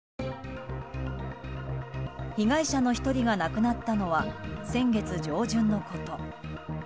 被害者の１人が亡くなったのは先月上旬のこと。